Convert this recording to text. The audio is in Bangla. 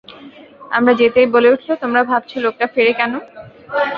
আমরা যেতেই বলে উঠল, তোমরা ভাবছ লোকটা ফেরে কেন?